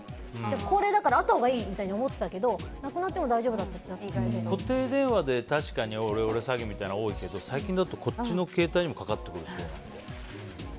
高齢だからあったほうがいいみたいに思ってたけど、なくなっても固定電話でオレオレ詐欺みたいなの多いけど、最近だと携帯にもかかってくる人もいて。